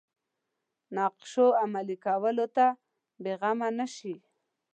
نقشو عملي کولو ته بېغمه نه شي.